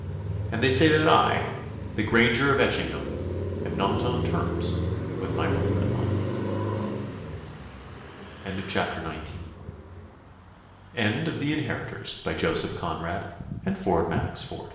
And they say that I, the Granger of Etchingham, am not on terms with my brother in law. End of Project Gutenberg's The Inheritors, by Joseph Conrad and Ford M. Hueffer